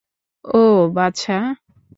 ওহ, বাছা।